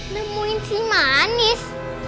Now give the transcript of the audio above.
nemuin si manis